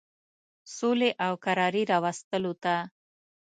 سولي او کراري راوستلو ته.